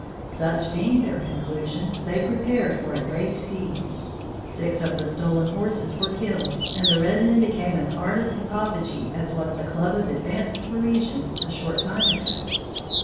Such being their conclusion, they prepared for a great feast. Six of the stolen horses were killed and the red men became as ardent hipophagi as was the club of advanced Parisians a short time ago.